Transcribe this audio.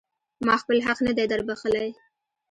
ما خپل حق نه دی در بښلی.